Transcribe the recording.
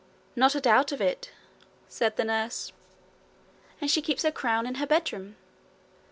'Not a doubt of it,' said the nurse. 'And she keeps her crown in her bedroom.'